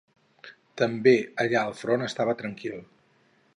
També allà el front estava tranquil